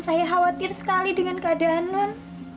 saya khawatir sekali dengan keadaan